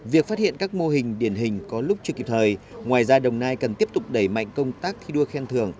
việc phát hiện các mô hình điển hình có lúc chưa kịp thời ngoài ra đồng nai cần tiếp tục đẩy mạnh công tác thi đua khen thưởng